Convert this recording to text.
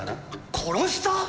殺した！？